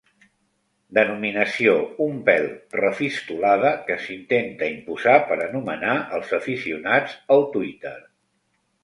Denominació un pèl refistolada que s'intenta imposar per anomenar els aficionats al Twitter.